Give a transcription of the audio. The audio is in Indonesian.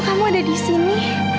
kamu ada disini